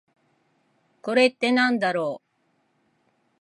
これってなんだろう？